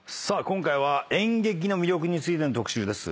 今回は演劇の魅力についての特集です。